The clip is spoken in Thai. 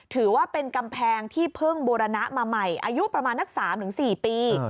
ถือว่าเป็นกำแพงที่เพิ่งบูรณะมาใหม่อายุประมาณนัก๓๔ปี